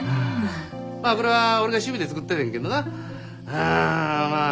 まあこれは俺が趣味で作っててんけどなうんまあ